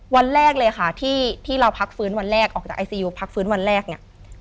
วันแรกเลยค่ะที่เราพักฟื้นวันแรกออกจากไอซียูพักฟื้นวันแรกเนี่ย